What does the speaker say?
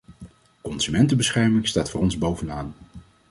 Consumentenbescherming staat voor ons bovenaan.